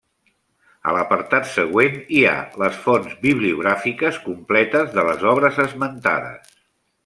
A l'apartat següent hi ha les Fonts bibliogràfiques completes de les obres esmentades.